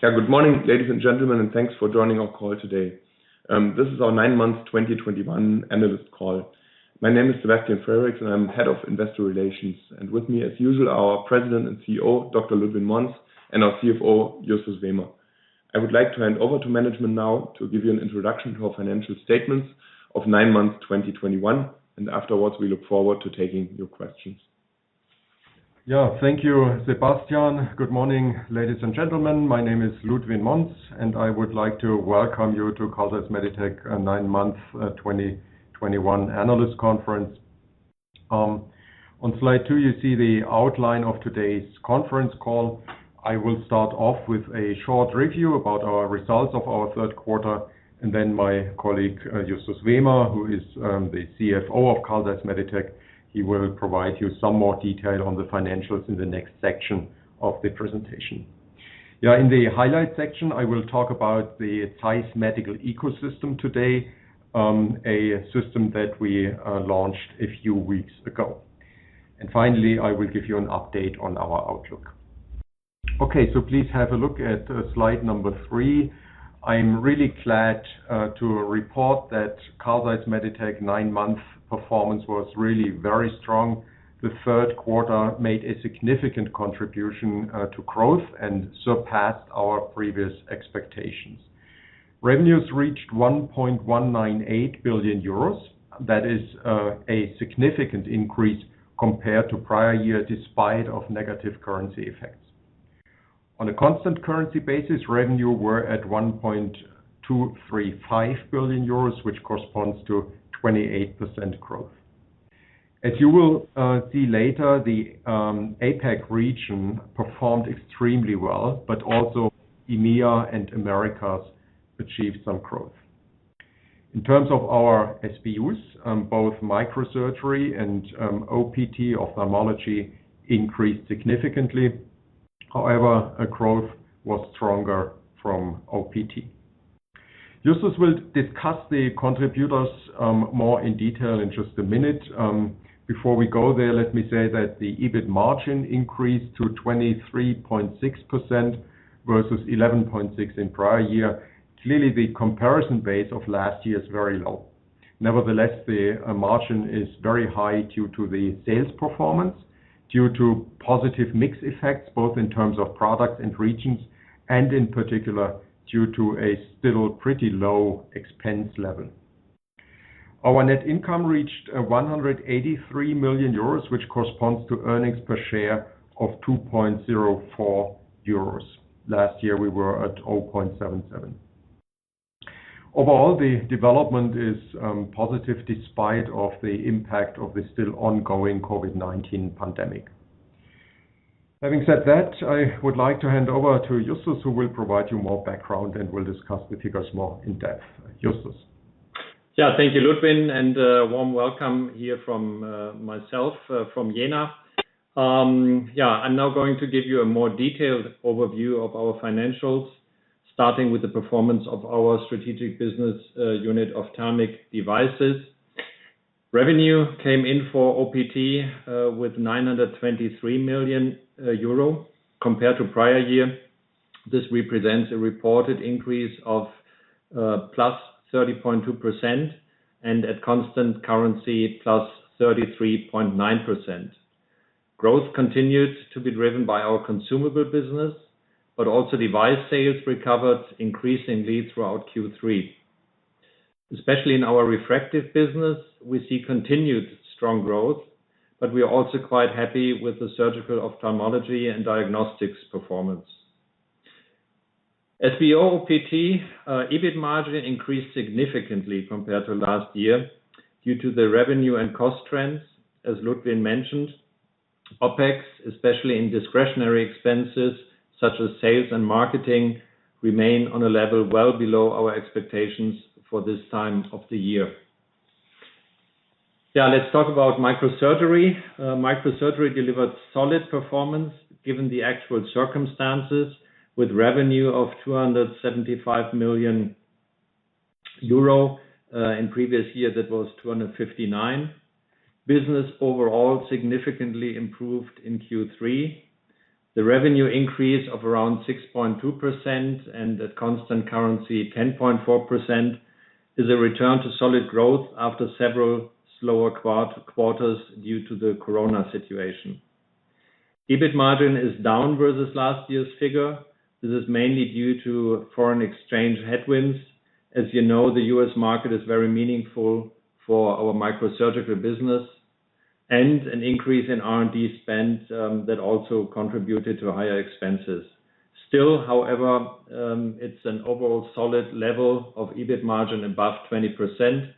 Yeah. Good morning, ladies and gentlemen, thanks for joining our call today. This is our nine-month 2021 analyst call. My name is Sebastian Frericks, I'm Head of Investor Relations. With me, as usual, our President and CEO, Dr. Ludwin Monz, and our CFO, Justus Wehmer. I would like to hand over to management now to give you an introduction to our financial statements of nine months 2021, and afterwards we look forward to taking your questions. Thank you, Sebastian. Good morning, ladies and gentlemen. My name is Ludwin Monz, and I would like to welcome you to Carl Zeiss Meditec nine-month 2021 analyst conference. On slide two, you see the outline of today's conference call. I will start off with a short review about our results of our third quarter, and then my colleague, Justus Wehmer, who is the CFO of Carl Zeiss Meditec, he will provide you some more detail on the financials in the next section of the presentation. In the highlights section, I will talk about the ZEISS Medical Ecosystem today, a system that we launched a few weeks ago. Finally, I will give you an update on our outlook. Please have a look at slide number three. I'm really glad to report that Carl Zeiss Meditec nine-month performance was really very strong. The third quarter made a significant contribution to growth and surpassed our previous expectations. Revenues reached 1.198 billion euros. That is a significant increase compared to prior year despite of negative currency effects. On a constant currency basis, revenue were at 1.235 billion euros, which corresponds to 28% growth. As you will see later, the APAC region performed extremely well, but also EMEA and Americas achieved some growth. In terms of our SBUs, both microsurgery and OPT ophthalmology increased significantly. However, a growth was stronger from OPT. Justus will discuss the contributors more in detail in just a minute. Before we go there, let me say that the EBIT margin increased to 23.6% versus 11.6% in prior year. Clearly, the comparison base of last year is very low. Nevertheless, the margin is very high due to the sales performance, due to positive mix effects both in terms of products and regions, and in particular, due to a still pretty low expense level. Our net income reached 183 million euros, which corresponds to earnings per share of 2.04 euros. Last year, we were at 0.77. Overall, the development is positive despite of the impact of the still ongoing COVID-19 pandemic. Having said that, I would like to hand over to Justus, who will provide you more background and will discuss the figures more in-depth. Justus. Thank you, Ludwin, and a warm welcome here from myself from Jena. I'm now going to give you a more detailed overview of our financials, starting with the performance of our strategic business unit, Ophthalmic Devices. Revenue came in for OPT with 923 million euro compared to prior year. This represents a reported increase of +30.2%, and at constant currency, +33.9%. Growth continues to be driven by our consumable business, but also device sales recovered increasingly throughout Q3. Especially in our refractive business, we see continued strong growth, but we are also quite happy with the surgical ophthalmology and diagnostics performance. SBU OPT EBIT margin increased significantly compared to last year due to the revenue and cost trends, as Ludwin mentioned. OPEX, especially in discretionary expenses such as sales and marketing, remain on a level well below our expectations for this time of the year. Let's talk about microsurgery. Microsurgery delivered solid performance given the actual circumstances with revenue of 275 million euro. In previous year, that was 259 million. Business overall significantly improved in Q3. The revenue increase of around 6.2% and at constant currency, 10.4%, is a return to solid growth after several slower quarters due to the COVID-19 situation. EBIT margin is down versus last year's figure. This is mainly due to foreign exchange headwinds. As you know, the U.S. market is very meaningful for our microsurgical business, an increase in R&D spend that also contributed to higher expenses. However, it's an overall solid level of EBIT margin above 20%,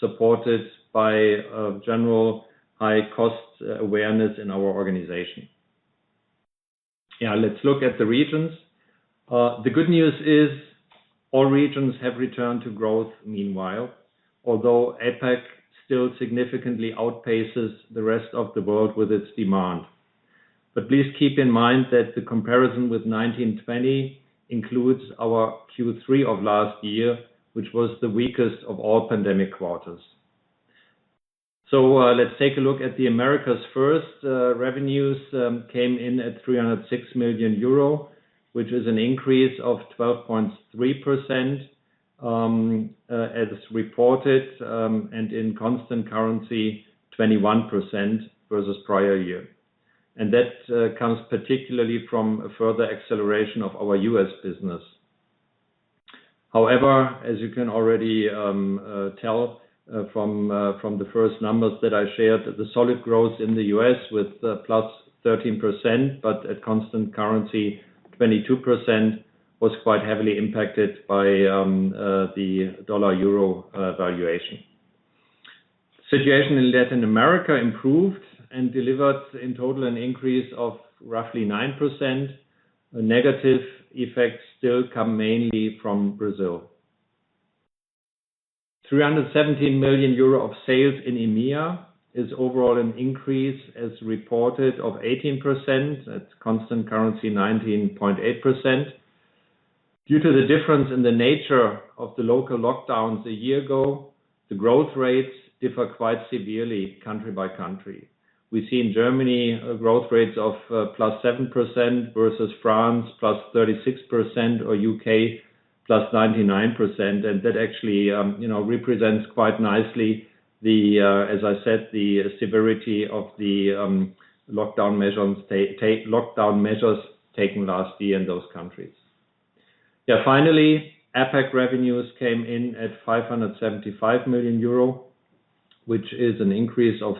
supported by a general high cost awareness in our organization. Yeah. Let's look at the regions. The good news is all regions have returned to growth meanwhile, although APAC still significantly outpaces the rest of the world with its demand. Please keep in mind that the comparison with 2019/2020 includes our Q3 of last year, which was the weakest of all pandemic quarters. So let's take a look at the Americas first. Revenues came in at 306 million euro, which is an increase of 12.3% as reported, and in constant currency, 21% versus prior year. That comes particularly from a further acceleration of our U.S. business. However, as you can already tell from the first numbers that I shared, the solid growth in the U.S. with +13%, but at constant currency, 22%, was quite heavily impacted by the dollar-EUR valuation. Situation in Latin America improved and delivered in total an increase of roughly 9%. Negative effects still come mainly from Brazil. 317 million euro of sales in EMEA is overall an increase as reported of 18%. That's constant currency, 19.8%. Due to the difference in the nature of the local lockdowns a year ago, the growth rates differ quite severely country by country. We see in Germany growth rates of +7%, versus France +36%, or U.K. +99%, and that actually represents quite nicely the, as I said, the severity of the lockdown measures taken last year in those countries. Finally, APAC revenues came in at 575 million euro, which is an increase of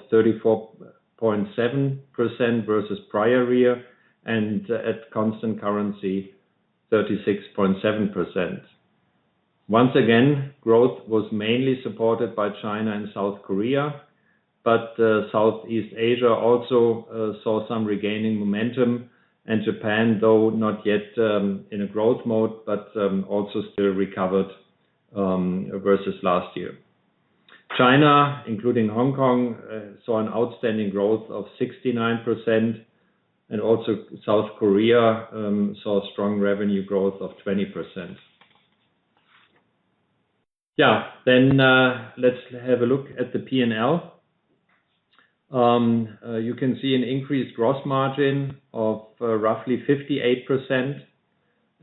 34.7% versus prior year, and at constant currency, 36.7%. Growth was mainly supported by China and South Korea, but Southeast Asia also saw some regaining momentum. Japan, though not yet in a growth mode, but also still recovered versus last year. China, including Hong Kong, saw an outstanding growth of 69%, and also South Korea saw strong revenue growth of 20%. Let's have a look at the P&L. You can see an increased gross margin of roughly 58%,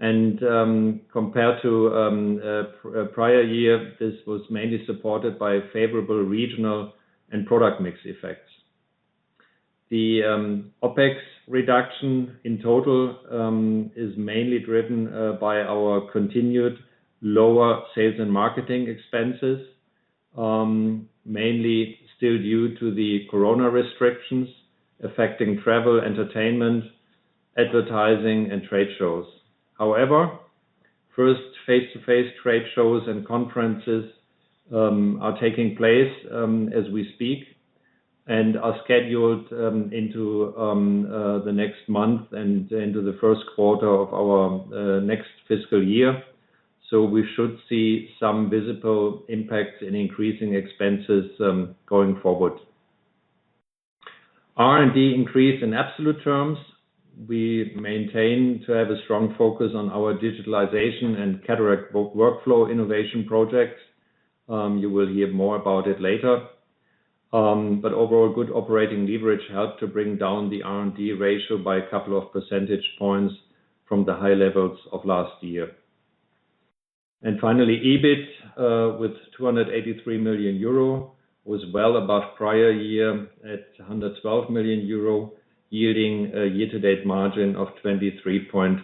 and compared to prior year, this was mainly supported by favorable regional and product mix effects. The OpEx reduction in total is mainly driven by our continued lower sales and marketing expenses, mainly still due to the corona restrictions affecting travel, entertainment, advertising, and trade shows. However, first face-to-face trade shows and conferences are taking place as we speak and are scheduled into the next month and into the first quarter of our next fiscal year, we should see some visible impact in increasing expenses going forward. R&D increased in absolute terms. We maintain to have a strong focus on our digitalization and cataract workflow innovation projects. You will hear more about it later. Overall, good operating leverage helped to bring down the R&D ratio by a couple of percentage points from the high levels of last year. Finally, EBIT with 283 million euro, was well above prior year at 112 million euro, yielding a year-to-date margin of 23.6%.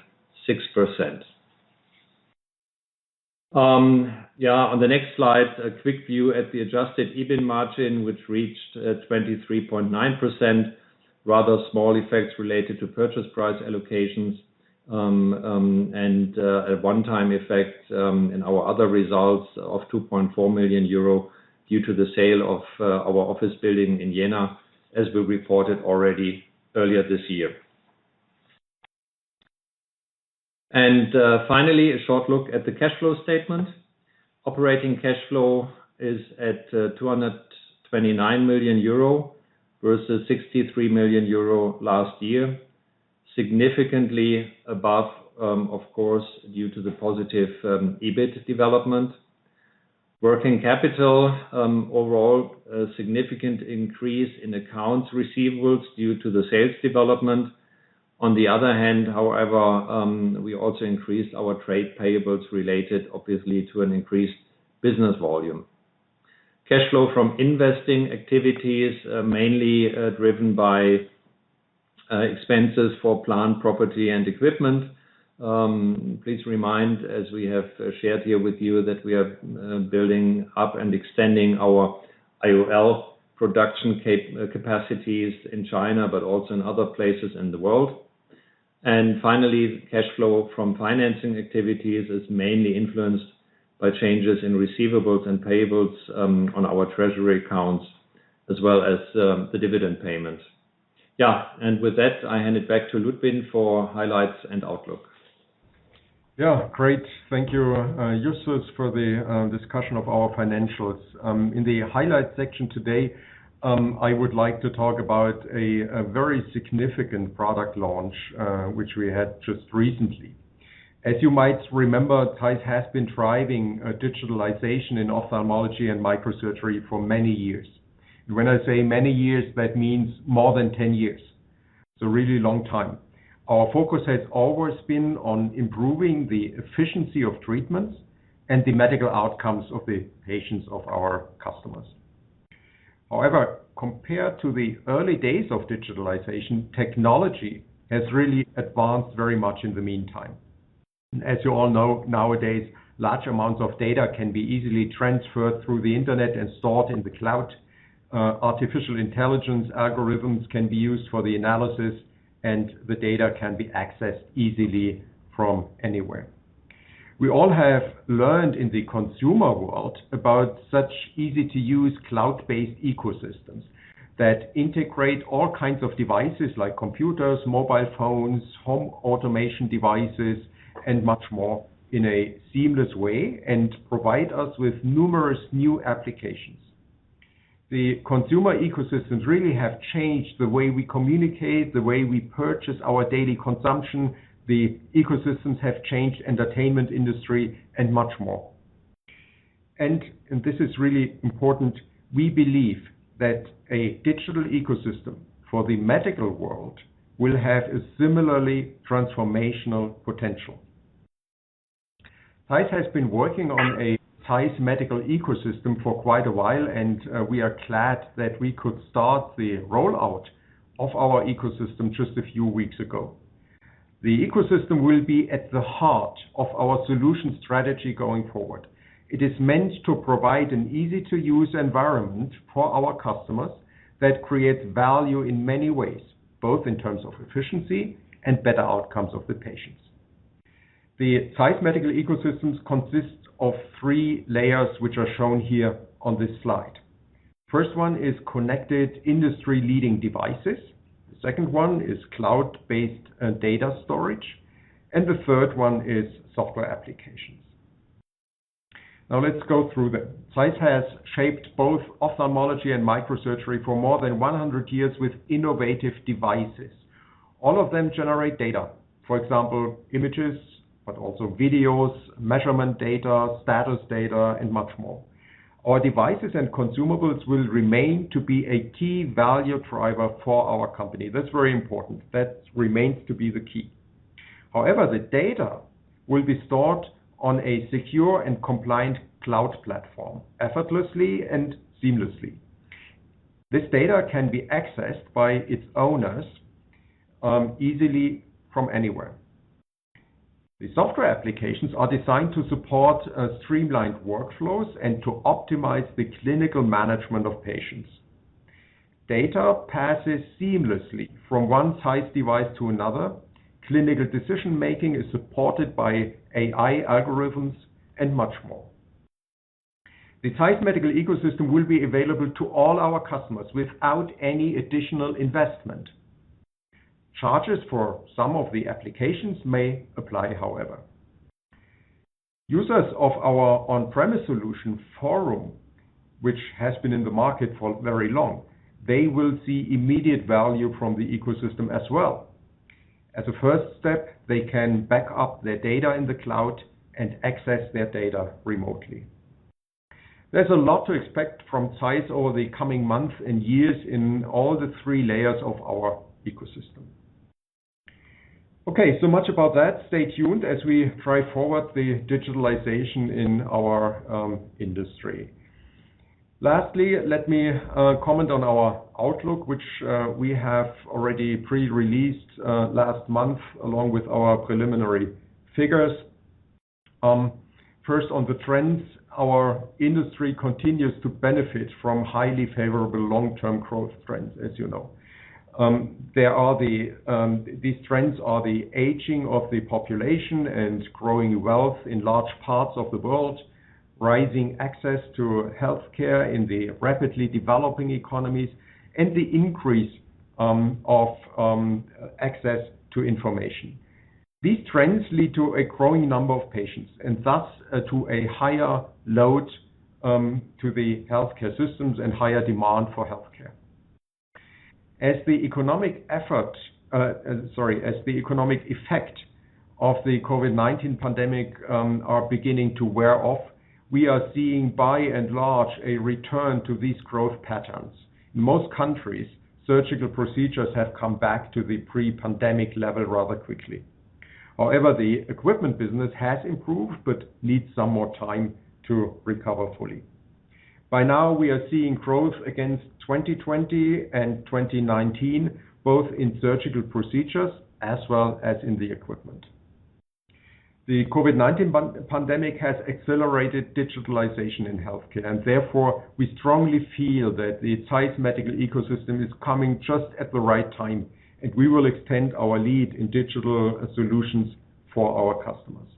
On the next slide, a quick view at the adjusted EBIT margin, which reached 23.9%. Rather small effects related to purchase price allocations, and a one-time effect in our other results of 2.4 million euro due to the sale of our office building in Jena, as we reported already earlier this year. Finally, a short look at the cash flow statement. Operating cash flow is at 229 million euro versus 63 million euro last year. Significantly above, of course, due to the positive EBIT development. Working capital, overall, a significant increase in accounts receivables due to the sales development. On the other hand, however, we also increased our trade payables related obviously to an increased business volume. Cash flow from investing activities, mainly driven by expenses for plant, property, and equipment. Please remind, as we have shared here with you, that we are building up and extending our IOL production capacities in China, but also in other places in the world. Finally, cash flow from financing activities is mainly influenced by changes in receivables and payables on our treasury accounts, as well as the dividend payment. With that, I hand it back to Ludwin for highlights and outlook. Great. Thank you, Justus, for the discussion of our financials. In the highlights section today, I would like to talk about a very significant product launch, which we had just recently. As you might remember, ZEISS has been driving digitalization in ophthalmology and microsurgery for many years. When I say many years, that means more than 10 years. It's a really long time. Our focus has always been on improving the efficiency of treatments and the medical outcomes of the patients of our customers. However, compared to the early days of digitalization, technology has really advanced very much in the meantime. As you all know, nowadays, large amounts of data can be easily transferred through the internet and stored in the cloud. Artificial Intelligence algorithms can be used for the analysis, and the data can be accessed easily from anywhere. We all have learned in the consumer world about such easy-to-use cloud-based ecosystems that integrate all kinds of devices like computers, mobile phones, home automation devices, and much more in a seamless way and provide us with numerous new applications. The consumer ecosystems really have changed the way we communicate, the way we purchase our daily consumption. The ecosystems have changed entertainment industry and much more. This is really important, we believe that a digital ecosystem for the medical world will have a similarly transformational potential. ZEISS has been working on a ZEISS Medical Ecosystem for quite a while, and we are glad that we could start the rollout of our ecosystem just a few weeks ago. The ecosystem will be at the heart of our solution strategy going forward. It is meant to provide an easy-to-use environment for our customers that creates value in many ways, both in terms of efficiency and better outcomes of the patients. The ZEISS Medical Ecosystem consists of three layers, which are shown here on this slide. First one is connected industry-leading devices, the second one is cloud-based data storage, and the third one is software applications. Now let's go through them. ZEISS has shaped both ophthalmology and microsurgery for more than 100 years with innovative devices. All of them generate data, for example, images, but also videos, measurement data, status data, and much more. Our devices and consumables will remain to be a key value driver for our company. That's very important. That remains to be the key. However, the data will be stored on a secure and compliant cloud platform effortlessly and seamlessly. This data can be accessed by its owners easily from anywhere. The software applications are designed to support streamlined workflows and to optimize the clinical management of patients. Data passes seamlessly from one ZEISS device to another. Clinical decision-making is supported by AI algorithms and much more. The ZEISS Medical Ecosystem will be available to all our customers without any additional investment. Charges for some of the applications may apply however. Users of our on-premise solution FORUM, which has been in the market for very long, they will see immediate value from the ecosystem as well. As a first step, they can back up their data in the cloud and access their data remotely. There's a lot to expect from ZEISS over the coming months and years in all the three layers of our ecosystem. Okay, much about that. Stay tuned as we drive forward the digitalization in our industry. Lastly, let me comment on our outlook, which we have already pre-released last month along with our preliminary figures. First, on the trends, our industry continues to benefit from highly favorable long-term growth trends, as you know. These trends are the aging of the population and growing wealth in large parts of the world, rising access to healthcare in the rapidly developing economies, and the increase of access to information. These trends lead to a growing number of patients, and thus to a higher load to the healthcare systems and higher demand for healthcare. As the economic effect of the COVID-19 pandemic are beginning to wear off, we are seeing by and large a return to these growth patterns. In most countries, surgical procedures have come back to the pre-pandemic level rather quickly. The equipment business has improved but needs some more time to recover fully. By now, we are seeing growth against 2020 and 2019, both in surgical procedures as well as in the equipment. The COVID-19 pandemic has accelerated digitalization in healthcare, and therefore, we strongly feel that the ZEISS Medical Ecosystem is coming just at the right time, and we will extend our lead in digital solutions for our customers.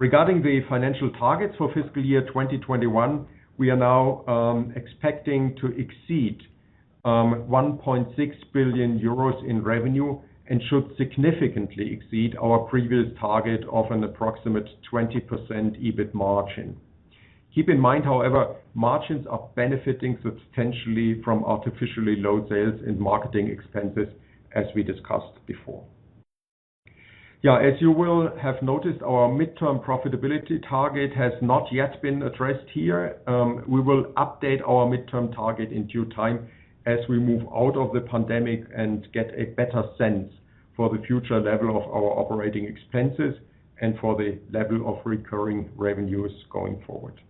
Regarding the financial targets for fiscal year 2021, we are now expecting to exceed 1.6 billion euros in revenue and should significantly exceed our previous target of an approximate 20% EBIT margin. Keep in mind, however, margins are benefiting substantially from artificially low sales and marketing expenses, as we discussed before. As you will have noticed, our midterm profitability target has not yet been addressed here. We will update our midterm target in due time as we move out of the pandemic and get a better sense for the future level of our operating expenses and for the level of recurring revenues going forward.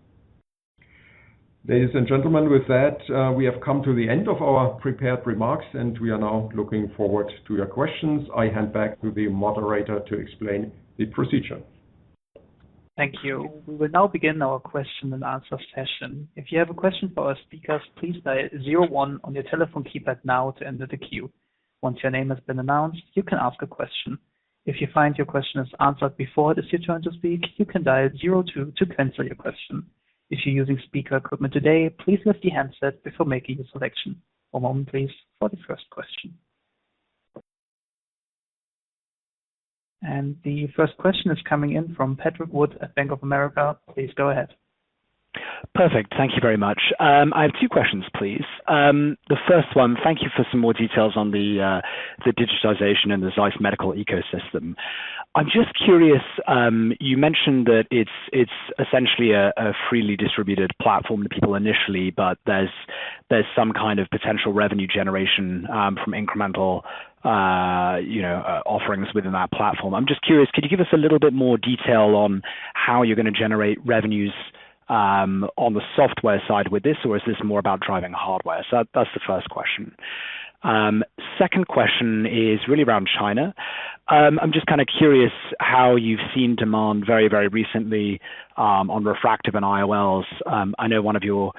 Ladies and gentlemen, with that, we have come to the end of our prepared remarks, and we are now looking forward to your questions. I hand back to the moderator to explain the procedure. Thank you. We will now begin our question and answer session. One moment please for the first question. The first question is coming in from Patrick Wood at Bank of America. Please go ahead. Perfect. Thank you very much. I have two questions, please. The first one, thank you for some more details on the digitization and the ZEISS Medical Ecosystem. I'm just curious, you mentioned that it's essentially a freely distributed platform to people initially, but there's some kind of potential revenue generation from incremental offerings within that platform. I'm just curious, could you give us a little bit more detail on how you're going to generate revenues on the software side with this, or is this more about driving hardware? That's the first question. second question is really around China. I'm just kind of curious how you've seen demand very recently on refractive and IOLs. I know one of your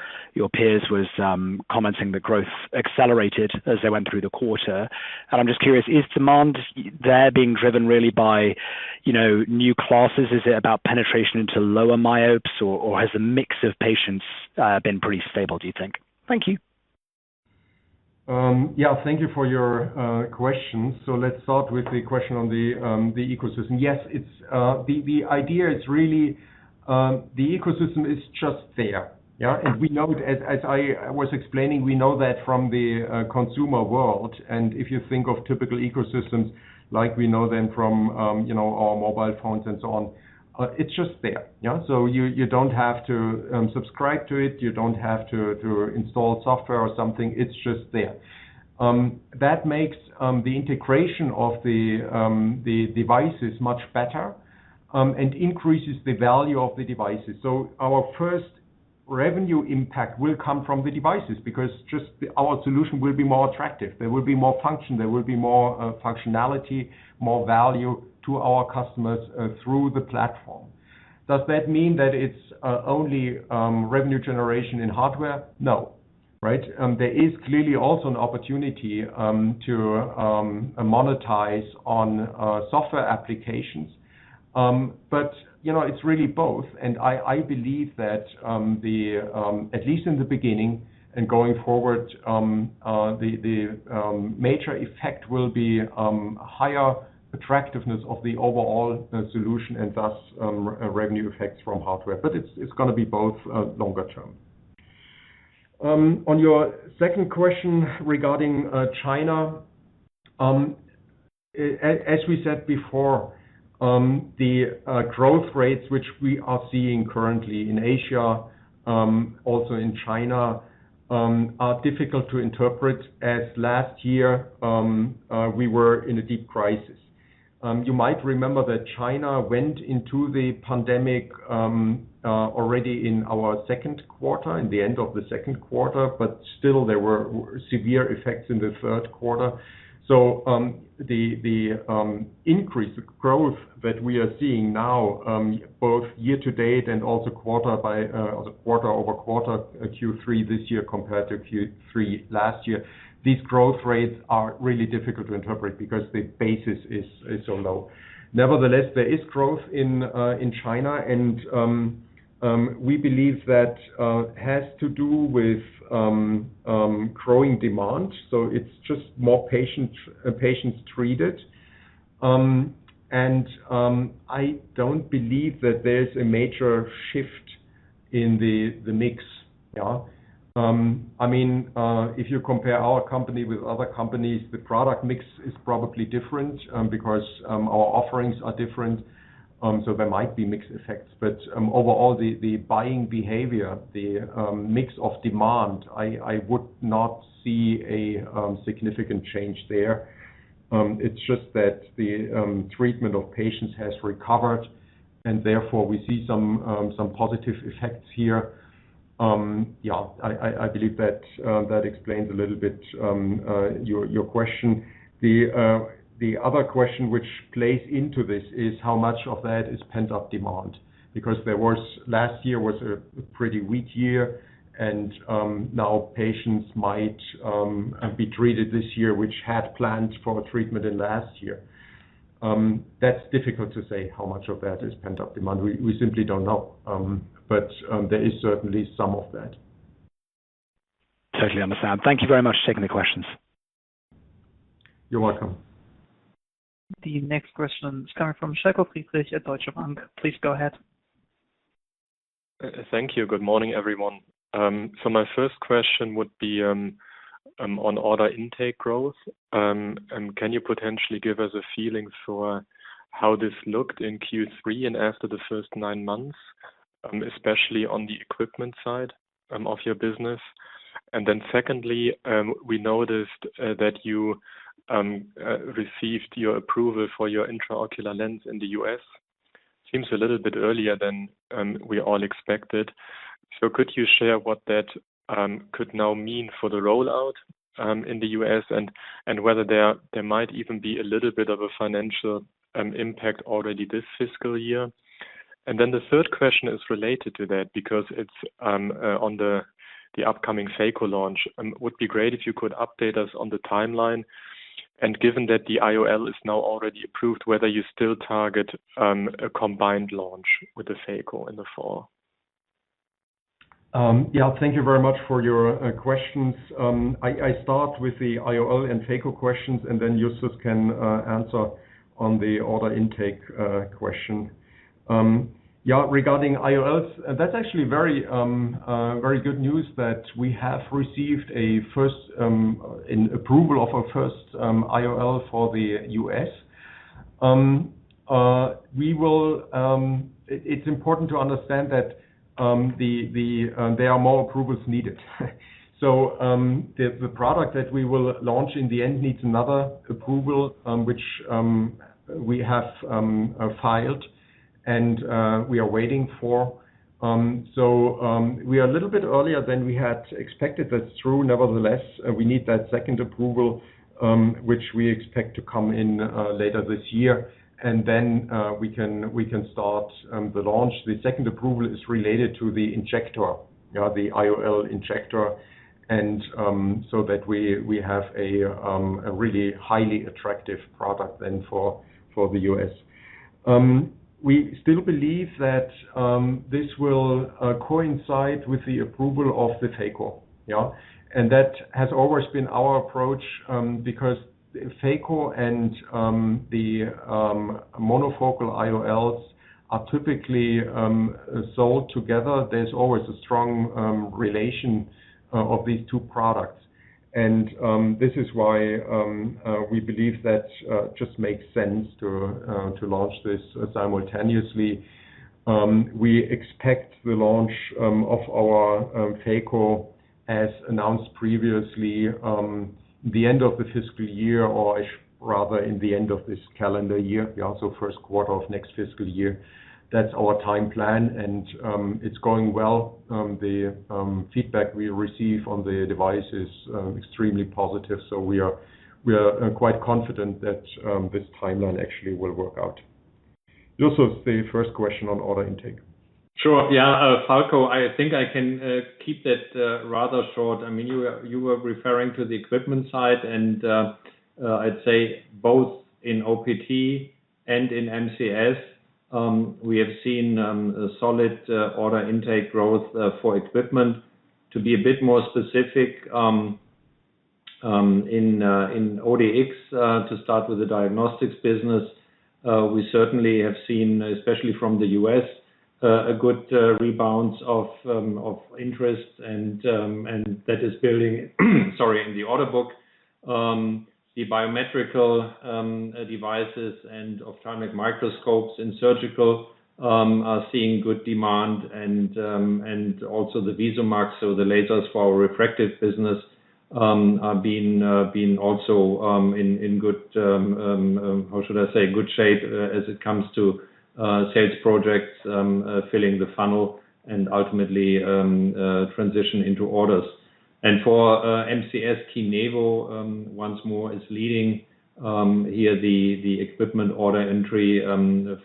peers was commenting the growth accelerated as they went through the quarter. I'm just curious, is demand there being driven really by new classes? Is it about penetration into lower myopes, or has the mix of patients been pretty stable, do you think? Thank you. Thank you for your questions. Let's start with the question on the ecosystem. Yes. The idea is really the ecosystem is just there. As I was explaining, we know that from the consumer world, and if you think of typical ecosystems like we know them from our mobile phones and so on, it's just there. You don't have to subscribe to it. You don't have to install software or something. It's just there. That makes the integration of the devices much better and increases the value of the devices. Our first revenue impact will come from the devices because just our solution will be more attractive. There will be more function, there will be more functionality, more value to our customers through the platform. Does that mean that it's only revenue generation in hardware? No. There is clearly also an opportunity to monetize on software applications. It's really both, and I believe that at least in the beginning and going forward, the major effect will be higher attractiveness of the overall solution and thus, revenue effects from hardware. It's going to be both longer term. On your second question regarding China, as we said before, the growth rates which we are seeing currently in Asia, also in China, are difficult to interpret as last year, we were in a deep crisis. You might remember that China went into the pandemic already in our second quarter, in the end of the second quarter, but still there were severe effects in the third quarter. The increase of growth that we are seeing now both year to date and also quarter-over-quarter Q3 this year compared to Q3 last year, these growth rates are really difficult to interpret because the basis is so low. Nevertheless, there is growth in China, and we believe that has to do with growing demand. It's just more patients treated. I don't believe that there's a major shift in the mix. If you compare our company with other companies, the product mix is probably different because our offerings are different. There might be mix effects, but overall the buying behavior, the mix of demand, I would not see a significant change there. It's just that the treatment of patients has recovered, and therefore we see some positive effects here. I believe that explains a little bit your question. The other question which plays into this is how much of that is pent-up demand. Last year was a pretty weak year, and now patients might be treated this year which had planned for treatment in last year. That's difficult to say how much of that is pent-up demand. We simply don't know. There is certainly some of that. Totally understand. Thank you very much for taking the questions. You're welcome. The next question is coming from Falko Friedrichs at Deutsche Bank. Please go ahead. Thank you. Good morning, everyone. My first question would be on order intake growth. Can you potentially give us a feeling for how this looked in Q3 and after the first nine months, especially on the equipment side of your business? Secondly, we noticed that you received your approval for your intraocular lens in the U.S. Seems a little bit earlier than we all expected. Could you share what that could now mean for the rollout in the U.S. and whether there might even be a little bit of a financial impact already this fiscal year? The third question is related to that because it's on the upcoming phaco launch. Would be great if you could update us on the timeline, and given that the IOL is now already approved, whether you still target a combined launch with the phaco in the fall. Yeah. Thank you very much for your questions. I start with the IOL and phaco questions, and then Justus Wehmer can answer on the order intake question. Yeah, regarding IOLs, that's actually very good news that we have received an approval of our first IOL for the U.S. It's important to understand that there are more approvals needed. The product that we will launch in the end needs another approval, which we have filed and we are waiting for. We are a little bit earlier than we had expected, but true nevertheless. We need that second approval, which we expect to come in later this year, and then we can start the launch. The second approval is related to the injector, the IOL injector, and so that we have a really highly attractive product then for the U.S. We still believe that this will coincide with the approval of the phaco. That has always been our approach, because phaco and the monofocal IOLs are typically sold together. There's always a strong relation of these two products, and this is why we believe that just makes sense to launch this simultaneously. We expect the launch of our phaco, as announced previously, the end of the fiscal year or rather in the end of this calendar year. First quarter of next fiscal year. That's our time plan, and it's going well. The feedback we receive on the device is extremely positive, so we are quite confident that this timeline actually will work out. Justus, the first question on order intake. Sure. Falko, I think I can keep that rather short. You were referring to the equipment side. I'd say both in OPT and in MCS, we have seen a solid order intake growth for equipment. To be a bit more specific, in ODX, to start with the diagnostics business, we certainly have seen, especially from the U.S., a good rebound of interest, and that is building, sorry, in the order book. The biometrical devices and ophthalmic microscopes in surgical are seeing good demand. Also the VISUMAX, so the lasers for our refractive business, are, how should I say, in good shape as it comes to sales projects, filling the funnel and ultimately transition into orders. For MCS, KINEVO once more is leading here the equipment order entry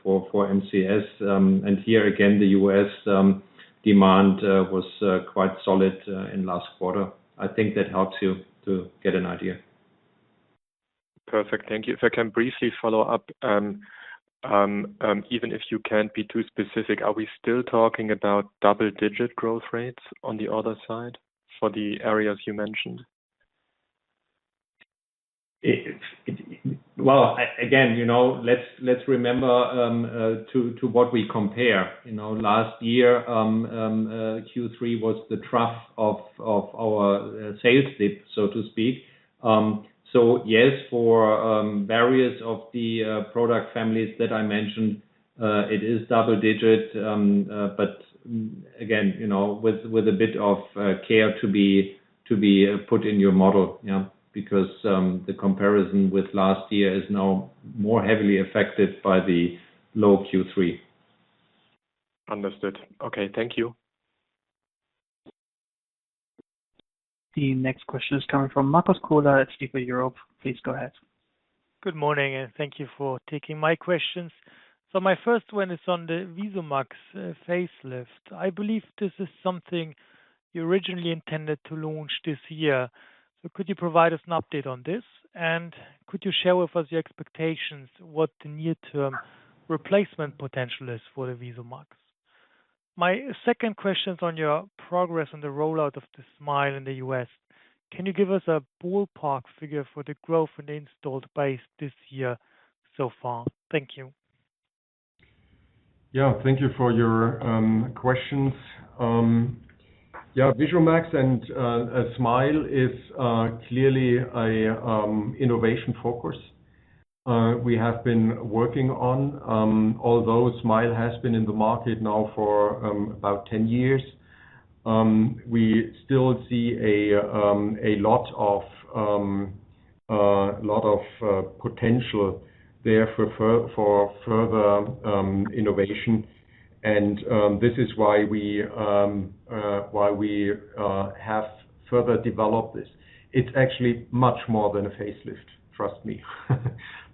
for MCS. Here again, the U.S. demand was quite solid in last quarter. I think that helps you to get an idea. Perfect. Thank you. If I can briefly follow up, even if you can't be too specific, are we still talking about double-digit growth rates on the order side for the areas you mentioned? Well, again, let's remember to what we compare. Last year, Q3 was the trough of our sales dip, so to speak. Yes, for various of the product families that I mentioned, it is double digit. Again, with a bit of care to be put in your model. The comparison with last year is now more heavily affected by the low Q3. Understood. Okay. Thank you. The next question is coming from Marcos Kohler at Jefferies Europe. Please go ahead. Good morning, and thank you for taking my questions. My first one is on the VISUMAX facelift. I believe this is something you originally intended to launch this year. Could you provide us an update on this, and could you share with us your expectations what the near-term replacement potential is for the VISUMAX? My second question's on your progress on the rollout of the SMILE in the U.S. Can you give us a ballpark figure for the growth in the installed base this year so far? Thank you. Thank you for your questions. VISUMAX and SMILE is clearly an innovation focus we have been working on. Although SMILE has been in the market now for about 10 years, we still see a lot of potential there for further innovation, and this is why we have further developed this. It's actually much more than a facelift, trust me.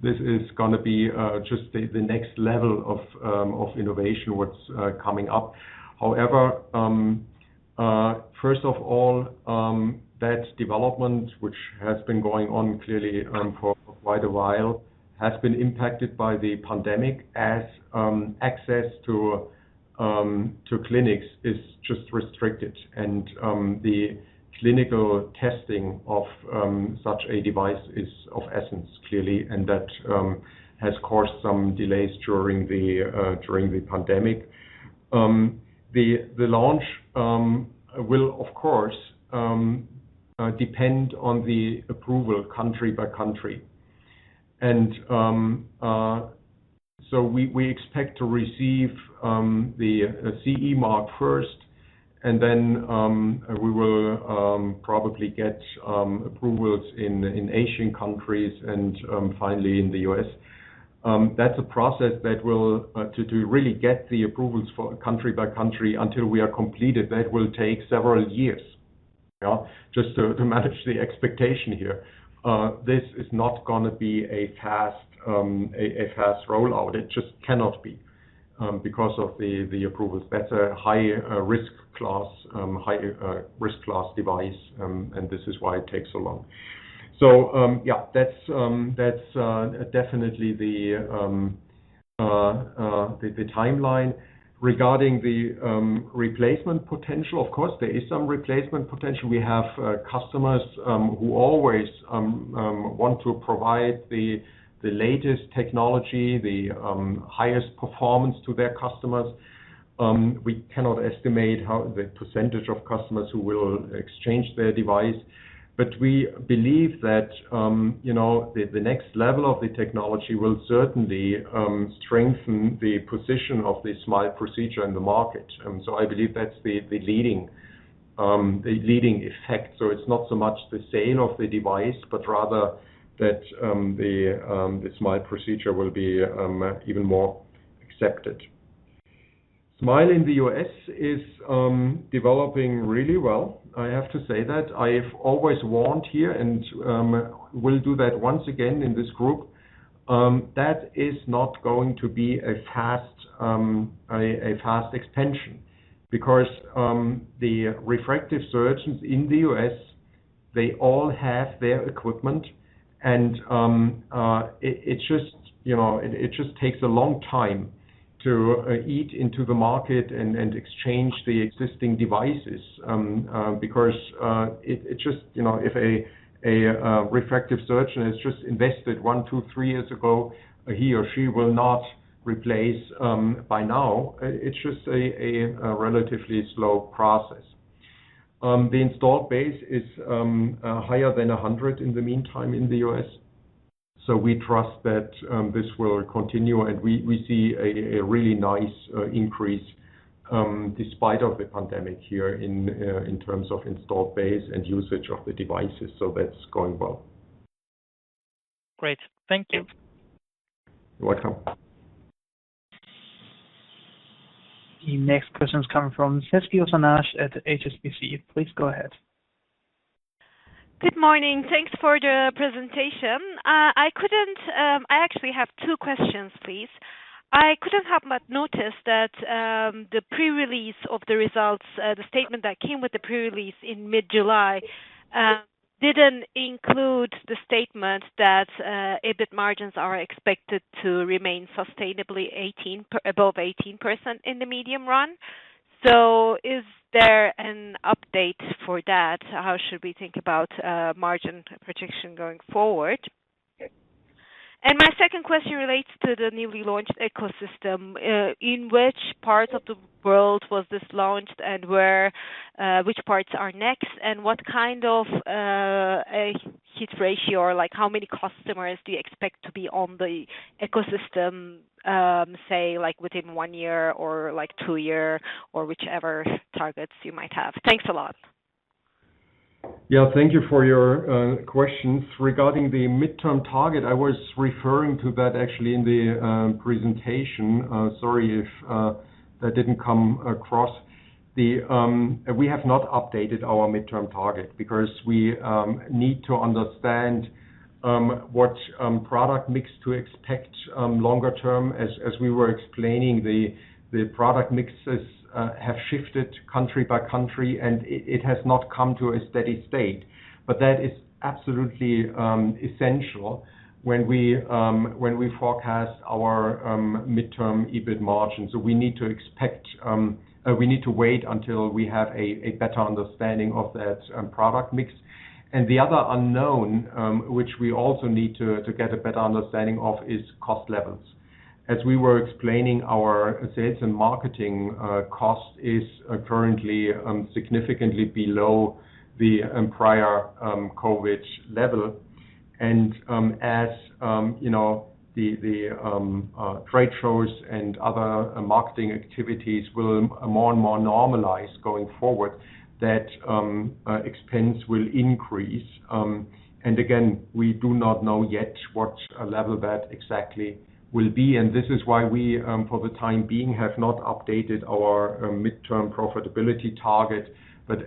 This is going to be just the next level of innovation what's coming up. First of all, that development, which has been going on clearly for quite a while, has been impacted by the pandemic, as access to clinics is just restricted. The clinical testing of such a device is of essence, clearly, and that has caused some delays during the pandemic. The launch will, of course, depend on the approval country by country. We expect to receive the CE mark first, then we will probably get approvals in Asian countries and finally in the U.S. That's a process that to really get the approvals country by country until we are completed, that will take several years. Yeah. Just to manage the expectation here. This is not going to be a fast rollout. It just cannot be because of the approvals. That's a high-risk class device, and this is why it takes so long. Yeah, that's definitely the timeline. Regarding the replacement potential, of course, there is some replacement potential. We have customers who always want to provide the latest technology, the highest performance to their customers. We cannot estimate the percentage of customers who will exchange their device, but we believe that the next level of the technology will certainly strengthen the position of the SMILE procedure in the market. I believe that's the leading effect. It's not so much the sale of the device, but rather that the SMILE procedure will be even more accepted. SMILE in the U.S. is developing really well, I have to say that. I've always warned here, and will do that once again in this group, that is not going to be a fast extension because the refractive surgeons in the U.S., they all have their equipment and it just takes a long time to eat into the market and exchange the existing devices. If a refractive surgeon has just invested one, two, three years ago, he or she will not replace by now. It's just a relatively slow process. The installed base is higher than 100 in the meantime in the U.S., so we trust that this will continue, and we see a really nice increase despite of the pandemic here in terms of installed base and usage of the devices. That's going well. Great. Thank you. You're welcome. The next question is coming from Sezgi Ozener at HSBC. Please go ahead. Good morning. Thanks for the presentation. I actually have two questions, please. I couldn't help but notice that the pre-release of the results, the statement that came with the pre-release in mid-July, didn't include the statement that EBIT margins are expected to remain sustainably above 18% in the medium run. Is there an update for that? How should we think about margin projection going forward? My second question relates to the newly launched ZEISS Medical Ecosystem. In which part of the world was this launched and which parts are next and what kind of hit ratio, like how many customers do you expect to be on the ZEISS Medical Ecosystem, say, within one year or two year or whichever targets you might have? Thanks a lot. Yeah, thank you for your questions. Regarding the midterm target, I was referring to that actually in the presentation. Sorry if that didn't come across. We have not updated our midterm target because we need to understand what product mix to expect longer term. As we were explaining, the product mixes have shifted country by country, and it has not come to a steady state. That is absolutely essential when we forecast our midterm EBIT margins. We need to wait until we have a better understanding of that product mix. The other unknown, which we also need to get a better understanding of, is cost levels. As we were explaining, our sales and marketing cost is currently significantly below the prior COVID level. As the trade shows and other marketing activities will more and more normalize going forward, that expense will increase. Again, we do not know yet what level that exactly will be. This is why we, for the time being, have not updated our midterm profitability target.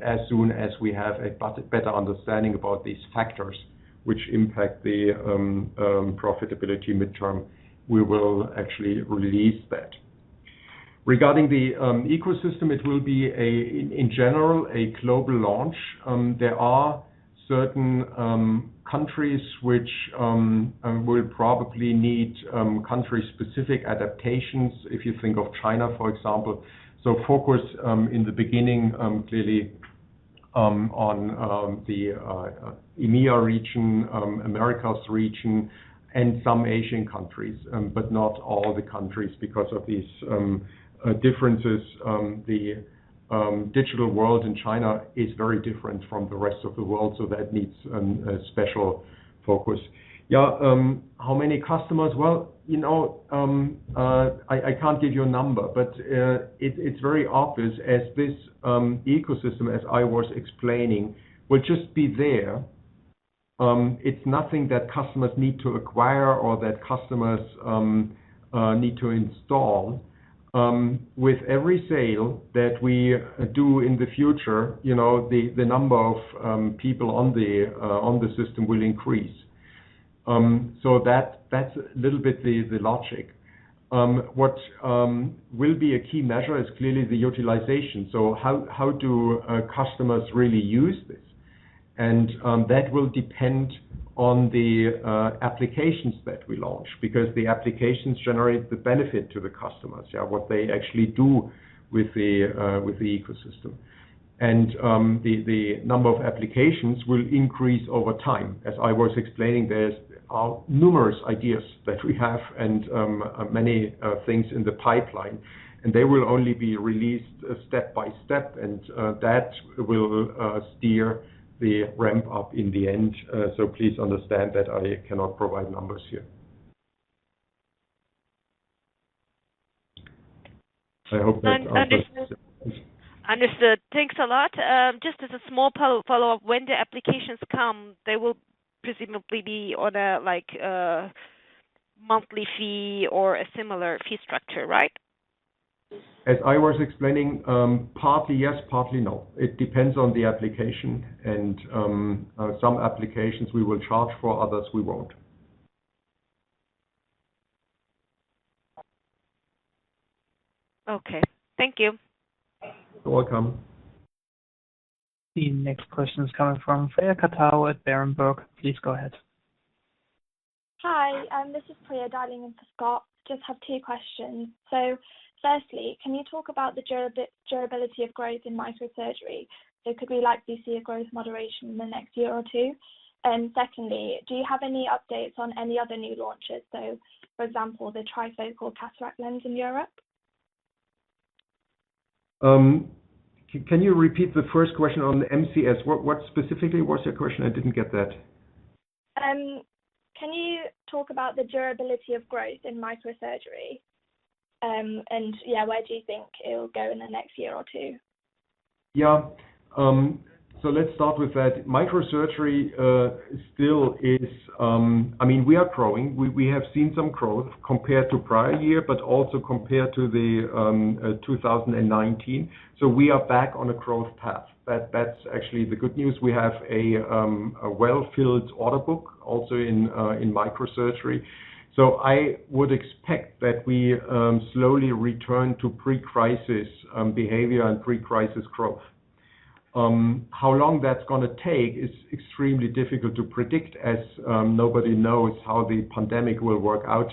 As soon as we have a better understanding about these factors which impact the profitability midterm, we will actually release that. Regarding the ZEISS Medical Ecosystem, it will be, in general, a global launch. There are certain countries which will probably need country-specific adaptations. If you think of China, for example. Focus in the beginning, clearly, on the EMEA region, Americas region, and some Asian countries, but not all the countries because of these differences. The digital world in China is very different from the rest of the world, so that needs a special focus. How many customers? Well, I can't give you a number, but it's very obvious as this ZEISS Medical Ecosystem, as I was explaining, will just be there. It's nothing that customers need to acquire or that customers need to install. With every sale that we do in the future, the number of people on the system will increase. That's a little bit the logic. What will be a key measure is clearly the utilization. How do customers really use this? That will depend on the applications that we launch, because the applications generate the benefit to the customers. What they actually do with the ecosystem. The number of applications will increase over time. As I was explaining, there's numerous ideas that we have and many things in the pipeline, and they will only be released step by step, and that will steer the ramp-up in the end. Please understand that I cannot provide numbers here. I hope that answers- Understood. Thanks a lot. Just as a small follow-up, when the applications come, they will presumably be on a monthly fee or a similar fee structure, right? As I was explaining, partly yes, partly no. It depends on the application. Some applications we will charge for, others we won't. Okay. Thank you. You're welcome. The next question is coming from [Freya Cathow] at Berenberg. Please go ahead. Hi, this is Freya dialing in for Scott. Just have two questions. Firstly, can you talk about the durability of growth in microsurgery? Could we likely see a growth moderation in the next year or two? Secondly, do you have any updates on any other new launches? For example, the trifocal cataract lens in Europe? Can you repeat the first question on MCS? What specifically was your question? I didn't get that. Can you talk about the durability of growth in microsurgery? Where do you think it'll go in the next year or two? Yeah. Let's start with that. Microsurgery. We are growing. We have seen some growth compared to prior year, but also compared to 2019. We are back on a growth path. That's actually the good news. We have a well-filled order book also in microsurgery. I would expect that we slowly return to pre-crisis behavior and pre-crisis growth. How long that's going to take is extremely difficult to predict, as nobody knows how the pandemic will work out.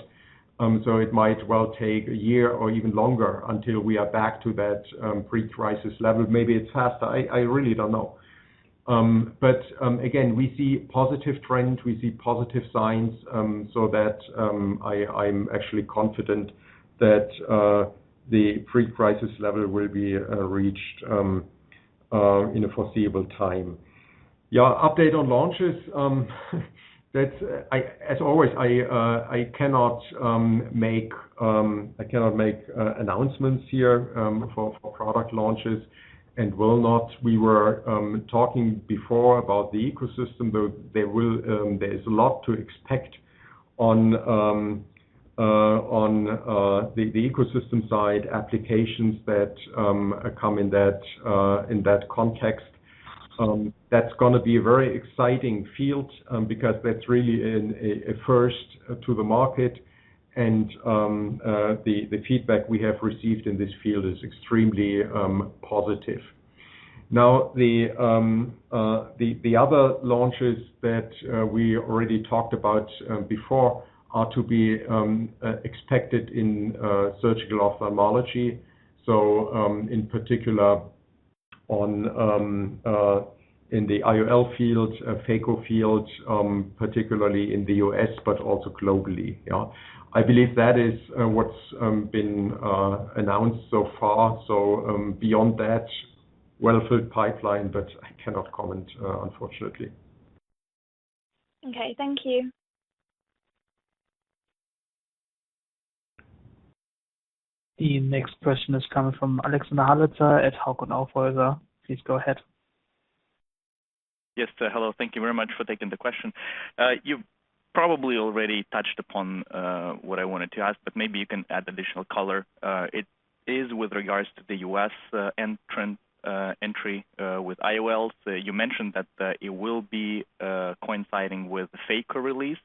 It might well take a year or even longer until we are back to that pre-crisis level. Maybe it's faster, I really don't know. Again, we see positive trends, we see positive signs, so that I'm actually confident that the pre-crisis level will be reached in a foreseeable time. Yeah, update on launches. As always, I cannot make announcements here for product launches and will not. We were talking before about the ecosystem. There's a lot to expect on the ecosystem side, applications that come in that context. That's going to be a very exciting field because that's really a first to the market. The feedback we have received in this field is extremely positive. Now, the other launches that we already talked about before are to be expected in surgical ophthalmology. In particular in the IOL field, phaco field, particularly in the U.S., but also globally. Yeah. I believe that is what's been announced so far. Beyond that, well-filled pipeline, but I cannot comment, unfortunately. Okay, thank you. The next question is coming from Alexander Galitsa at Hauck & Aufhäuser. Please go ahead. Yes. Hello. Thank you very much for taking the question. You've probably already touched upon what I wanted to ask, but maybe you can add additional color. It is with regards to the U.S. entry with IOLs. You mentioned that it will be coinciding with the phaco release.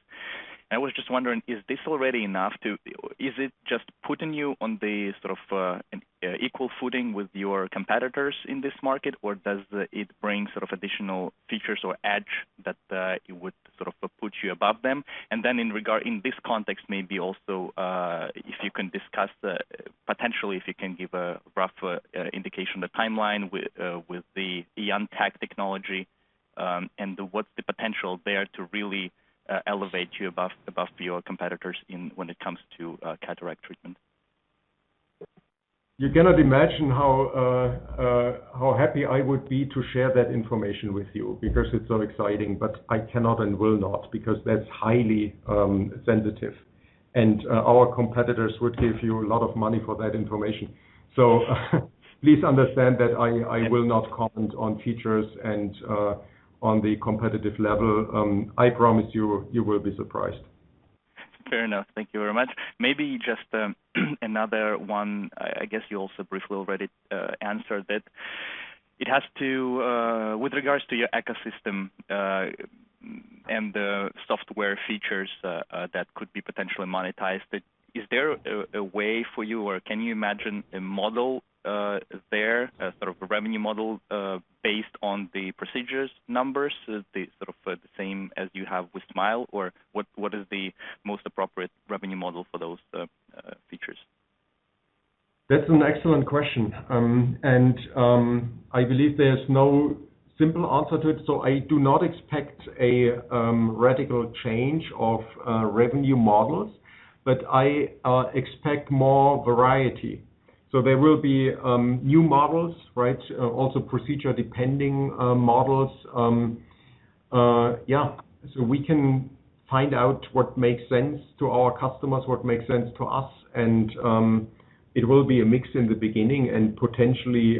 I was just wondering, is this already enough? Is it just putting you on the equal footing with your competitors in this market, or does it bring additional features or edge that it would put you above them? In this context, maybe also, if you can discuss, potentially, if you can give a rough indication of the timeline with the IanTECH technology, and what's the potential there to really elevate you above your competitors when it comes to cataract treatment? You cannot imagine how happy I would be to share that information with you because it's so exciting, but I cannot and will not, because that's highly sensitive, and our competitors would give you a lot of money for that information. Please understand that I will not comment on features and on the competitive level. I promise you will be surprised. Fair enough. Thank you very much. Maybe just another one. I guess you also briefly already answered it. With regards to your ecosystem and the software features that could be potentially monetized, is there a way for you or can you imagine a model there, a sort of a revenue model, based on the procedures numbers, the same as you have with SMILE, or what is the most appropriate revenue model for those features? That's an excellent question. I believe there's no simple answer to it, so I do not expect a radical change of revenue models, but I expect more variety. There will be new models, right? Also procedure-depending models. Yeah. We can find out what makes sense to our customers, what makes sense to us, and it will be a mix in the beginning, and potentially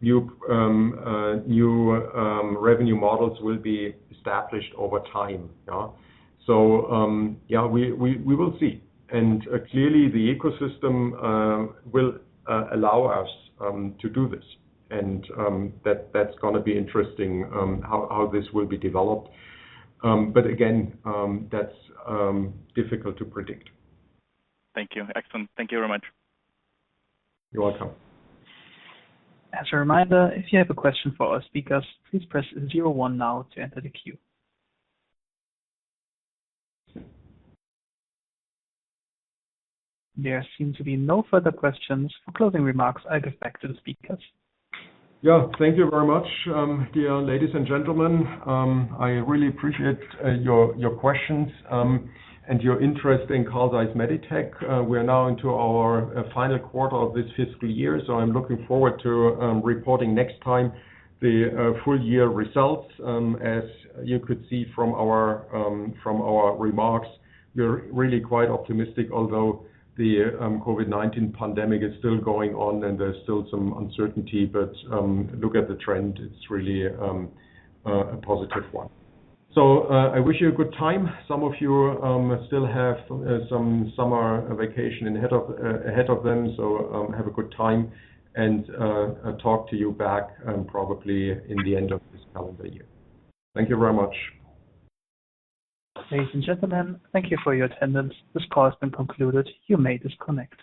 new revenue models will be established over time. Yeah. Yeah, we will see. Clearly the ecosystem will allow us to do this, and that's going to be interesting how this will be developed. Again, that's difficult to predict. Thank you. Excellent. Thank you very much. You're welcome. As a reminder, if you have a question for our speakers, please press zero one now to enter the queue. There seem to be no further questions. For closing remarks, I give back to the speakers. Yeah. Thank you very much, dear ladies and gentlemen. I really appreciate your questions, and your interest in Carl Zeiss Meditec. We are now into our final quarter of this fiscal year, so I'm looking forward to reporting next time the full year results. As you could see from our remarks, we're really quite optimistic, although the COVID-19 pandemic is still going on and there's still some uncertainty. Look at the trend, it's really a positive one. I wish you a good time. Some of you still have some summer vacation ahead of them, so have a good time and talk to you back probably in the end of this calendar year. Thank you very much. Ladies and gentlemen, thank you for your attendance. This call has been concluded. You may disconnect.